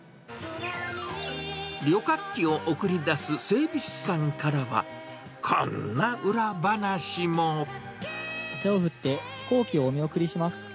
旅客機を送り出す整備士さん手を振って、飛行機をお見送りします。